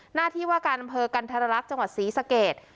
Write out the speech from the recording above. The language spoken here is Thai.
หน้าที่ว่าการอำเภอกันธรรลักษณ์จังหวัดศรีสเกต